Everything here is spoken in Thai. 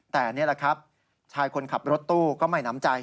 แต่นี่แหละครับชายคนขับรถตู้ก็ไม่น้ำใจ